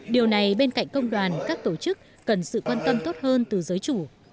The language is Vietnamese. điều này bên cạnh công đoàn các tổ chức cần sự quan tâm tốt hơn từ giới chủ